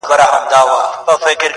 د اور بلولو علم ته ورسېدل